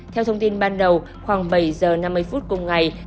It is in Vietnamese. theo thông tin ban đầu khoảng bảy giờ năm mươi phút cùng ngày